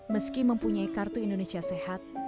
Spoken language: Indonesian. meski mempunyai kartu indonesia sehat